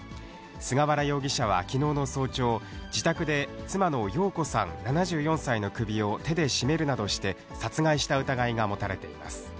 菅原容疑者はきのうの早朝、自宅で妻の蓉子さん７４歳の首を手で絞めるなどして、殺害した疑いが持たれています。